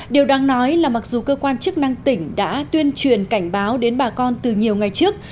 điều đáng nói là mặc dù cơ quan chức năng tỉnh đã tuyên truyền cảnh báo đến bà con từ nhiều ngày trước